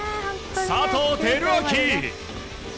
佐藤輝明！